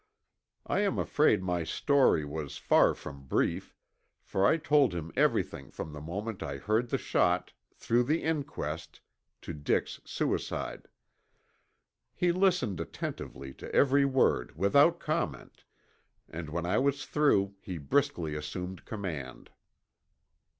I am afraid my story was far from brief, for I told him everything from the moment I heard the shot, through the inquest, to Dick's suicide. He listened attentively to every word without comment and when I was through he briskly assumed command.